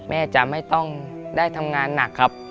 แม่จะไม่ต้องได้ทำงานหนักครับ